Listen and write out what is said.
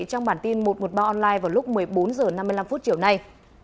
trong bản tin một trăm một mươi ba online vào lúc một mươi bốn h năm mươi năm chiều nay